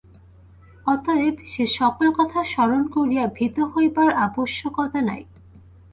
অতএব সে সকল কথা স্মরণ করিয়া ভীত হইবার আবশ্যকতা নাই।